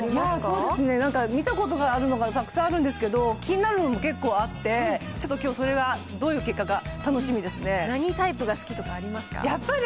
そうですね、なんか見たことがあるのがたくさんあるんですけど、気になるの、結構あって、ちょっときょう、それがどういう結何タイプが好きとかありますか？